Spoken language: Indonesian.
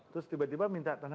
terus tiba tiba minta tanda